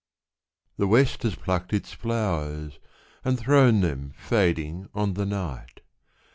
The West has plucked its flowers and has thrown Them fading on the night.